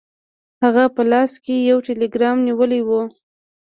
هغه په لاس کې یو ټیلګرام نیولی و.